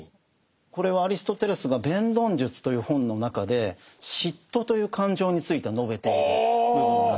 これはアリストテレスが「弁論術」という本の中で嫉妬という感情について述べている部分なんです。